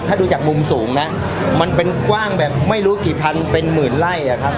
ถ้าดูจากมุมสูงนะมันเป็นกว้างแบบไม่รู้กี่พันเป็นหมื่นไล่อะครับ